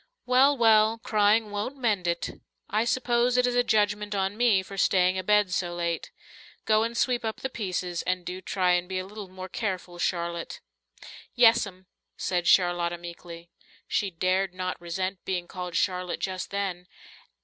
"Well, well, crying won't mend it. I suppose it is a judgment on me for staying abed so late. Go and sweep up the pieces, and do try and be a little more careful, Charlotte." "Yes'm," said Charlotta meekly. She dared not resent being called Charlotte just then.